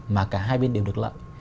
mà cả hai bên đều được lợi